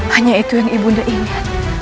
hanya itu yang ibu nda ingat